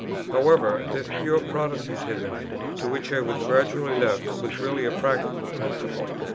However, this pure Protestantism, to which I was gradually left, was really a practical principle.